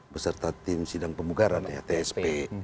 beserta tim sindang pembugaran tsp